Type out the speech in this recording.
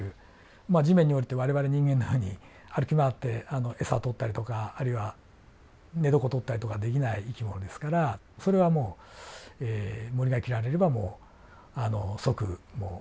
まあ地面に降りて我々人間のように歩き回って餌取ったりとかあるいは寝床取ったりとかできない生き物ですからそれはもう森が切られればもう即アウトであると。